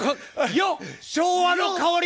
よっ昭和の香り。